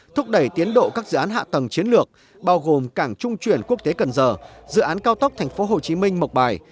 thúc đẩy tiến độ các dự án hạ tầng chiến lược bao gồm cảng trung chuyển quốc tế cần giờ dự án cao tốc tp hcm mộc bài